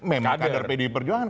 memang kadar pdi perjuangan